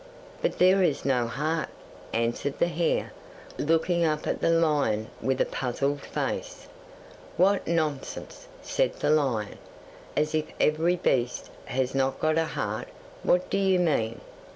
'"But there is no heart," answered the hare, looking up at the lion with a puzzled face. '"What nonsense!" said the lion. "As if every beast had not got a heart. What do you mean?"